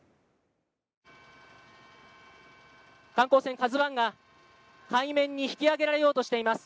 ＫＡＺＵⅠが海面に引き揚げられようとしています。